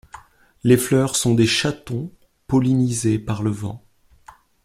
Les fleurs sont des chatons pollinisés par le vent.